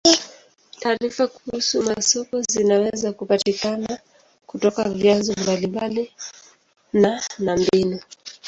Taarifa kuhusu masoko zinaweza kupatikana kutoka vyanzo mbalimbali na na mbinu.